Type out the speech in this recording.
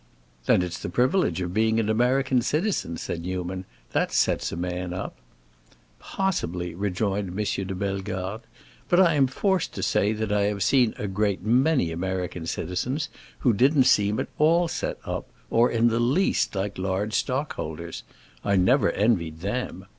"Then it's the privilege of being an American citizen," said Newman. "That sets a man up." "Possibly," rejoined M. de Bellegarde. "But I am forced to say that I have seen a great many American citizens who didn't seem at all set up or in the least like large stock holders. I never envied them.